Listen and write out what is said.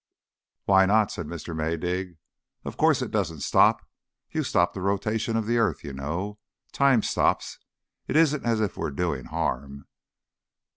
"Why not?" said Mr. Maydig. "Of course it doesn't stop. You stop the rotation of the earth, you know. Time stops. It isn't as if we were doing harm."